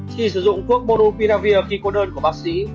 khi sử dụng thuốc mordopiravir khi cô đơn của bác sĩ